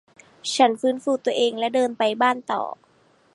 ฉันฟื้นฟูตัวเองและเดินไปบ้านต่อ